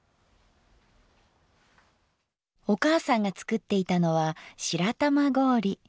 お母さんが作っていたのは白玉氷。